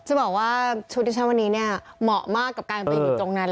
จะบอกว่าชุดที่ฉันวันนี้เนี่ยเหมาะมากกับการไปอยู่ตรงนั้น